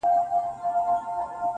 ساقي خراب تراب مي کړه نڅېږم به زه.